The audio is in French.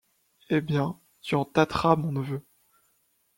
Eh bien! tu en tâteras, mon neveu !